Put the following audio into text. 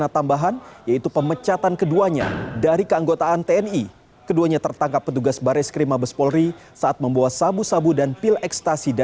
tni menangis hingga berhenti